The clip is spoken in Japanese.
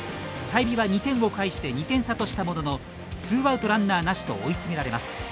済美は、２点をかえして２点差としたもののツーアウト、ランナーなしと追い詰められます。